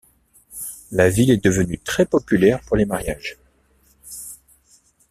La ville est devenue très populaire pour les mariages.